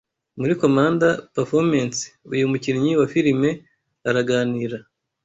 Muri comanda pafomensi uyu mukinnyi wa filime araganira